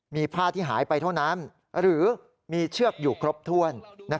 มีผ้าที่หายไปเท่านั้นหรือมีเชือกอยู่ครบถ้วน